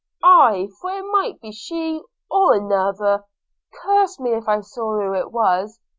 'Aye, for it might be she, or another – Curse me if I saw who it was!